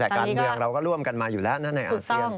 แต่การเมืองเราก็ร่วมกันมาอยู่แล้วนะในอาเซียน